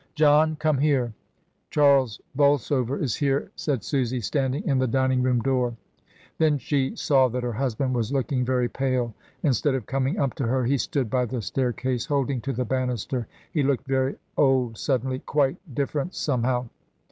"John! come here! Charles Bolsover is here," said Susy, standing in the dining room door. 294 MRS. DYMOND. Then she saw that her husband was looking very pale. Instead of coming up to her he stood by the staircase holding to the bannister. He looked very old suddenly, quite different somehow.